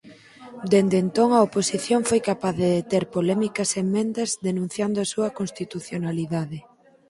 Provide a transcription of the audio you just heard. Dende entón a oposición foi capaz de deter polémicas emendas denunciando a súa constitucionalidade.